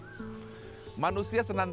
manusia senantiasa berpikir tentang hal ini